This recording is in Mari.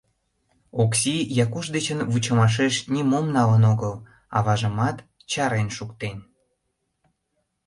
Окси Якуш дечын вучымашеш нимом налын огыл, аважымат чарен шуктен.